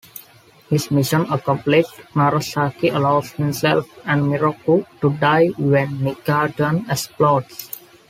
His mission accomplished, Narasaki allows himself and "Miroku" to die when Negadon explodes.